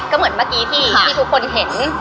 ก็เหมือนเมื่อกี้ที่ทุกคนเห็น